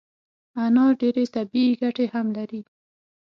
انار ډیري طبي ګټي هم لري